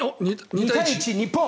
２対１、日本！